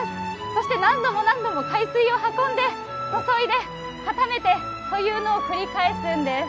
そして何度も何度も海水を運んで注いで固めてというのを繰り返すんです。